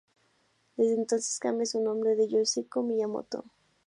Desde entonces, cambia su nombre a Yoshiko Miyamoto.